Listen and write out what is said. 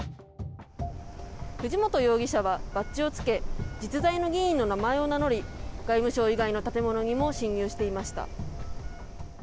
藤本容疑者はバッジをつけ実在の議員の名前を名乗り外務省以外の建物にも侵入していました。